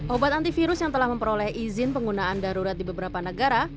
obat antivirus yang telah memperoleh izin penggunaan darurat di beberapa negara